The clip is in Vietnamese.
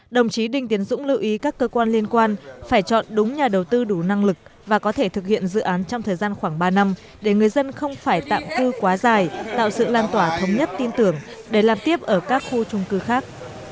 đồng chí đinh tiến dũng lưu ý các cơ quan liên quan phải chọn đúng nhà đầu tư đủ năng lực và có thể thực hiện dự án trong thời gian khoảng ba năm để người dân không phải tạm cư quá dài tạo sự lan tỏa thống nhất tin tưởng để làm tiếp ở các khu trung cư khác